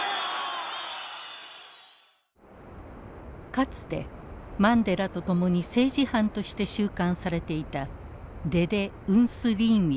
かつてマンデラと共に政治犯として収監されていたデデ・ウンスィリンウィ。